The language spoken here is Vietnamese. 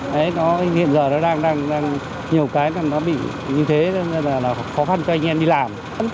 hiện giờ nó đang nhiều cái nó bị như thế nên là khó khăn cho anh em đi làm